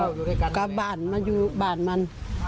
เพราะไม่เคยถามลูกสาวนะว่าไปทำธุรกิจแบบไหนอะไรยังไง